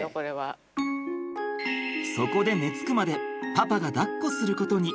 そこで寝つくまでパパがだっこすることに。